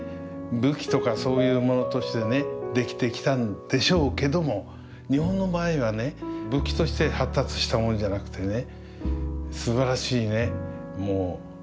武器とかそういうものとしてね出来てきたんでしょうけども日本の場合はね武器として発達したものじゃなくてね